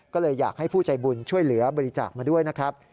ก็เลยอยากให้ผู้ใจบุญช่วยเหลือบริจาคมาด้วยนะครับ